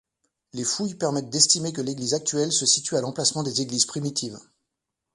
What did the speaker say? Les fouilles permettent d'estimer que l'église actuelle se situe à l'emplacement des églises primitives.